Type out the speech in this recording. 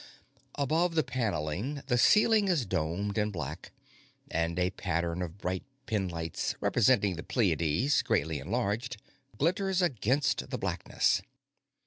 Above the paneling, the ceiling is domed and black, and a pattern of bright pinlights representing the Pleiades greatly enlarged glitters against the blackness.